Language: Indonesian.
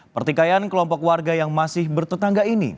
pertikaian kelompok warga yang masih bertetangga ini